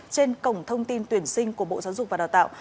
trên cổng thông tin tuyển sinh của bộ giáo dục và đào tạo